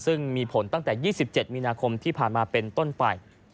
ซึ่งมีผลตั้งแต่๒๗มีนาคมที่ผ่านมาเป็นต้นไป